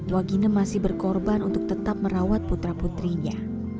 waginem masih berkorban untuk tetap merawat putra putrinya